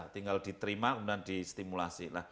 tinggal diterima kemudian di stimulasi